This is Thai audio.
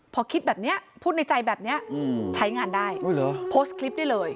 พอคิดแบบนี้พูดในใจแบบนี้ใช้งานได้โพสต์คลิปได้เลย